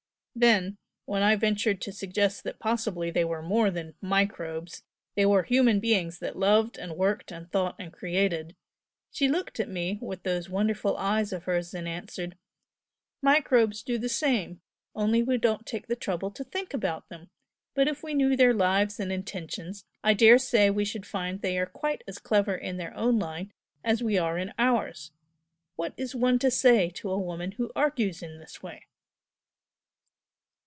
Then, when I ventured to suggest that possibly they were more than 'microbes,' they were human beings that loved and worked and thought and created, she looked at me with those wonderful eyes of hers and answered 'Microbes do the same only we don't take the trouble to think about them! But if we knew their lives and intentions, I dare say we should find they are quite as clever in their own line as we are in ours!' What is one to say to a woman who argues in this way?"